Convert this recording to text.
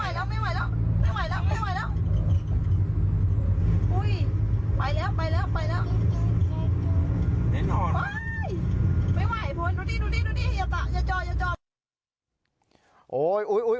ไม่ไหวโอ้ยดูนี่ดูนี่ดูนี่อย่าตะอย่าจออย่าจอ